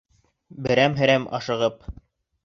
Берәм-Һәрәм, ашығып.